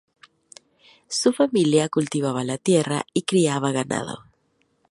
Su familia cultivaba la tierra y criaba ganado.